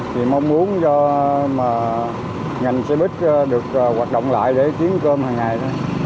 chỉ mong muốn cho mà ngành xe buýt được hoạt động lại để kiếm cơm hằng ngày thôi